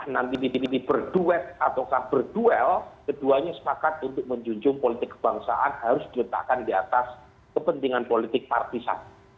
nanti dipilih berduet ataukah berduel keduanya sepakat untuk menjunjung politik kebangsaan harus diletakkan di atas kepentingan politik partisan